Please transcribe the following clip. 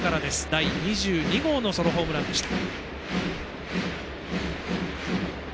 第２２号のソロホームランでした。